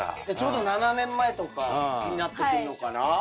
じゃあちょうど７年前とかになってくんのかな？